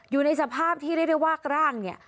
อยู่ในสภาพที่เรียกได้ว่าร่างเนี่ย